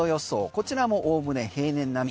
こちらもおおむね平年並み。